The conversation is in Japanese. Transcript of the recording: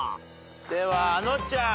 ではあのちゃん。